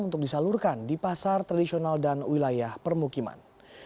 untuk disalurkan di pasar tradisional dan wilayah permukiman